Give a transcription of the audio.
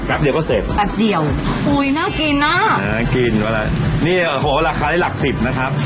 เดียวก็เสร็จแป๊บเดียวอุ้ยน่ากินน่ะน่ากินอะไรนี่โอ้โหราคาได้หลักสิบนะครับ